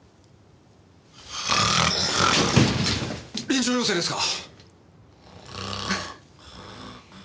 臨場要請ですか！？